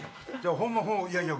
ホンマいやいや。